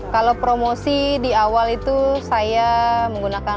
kalau promosi di awal itu saya menggunakan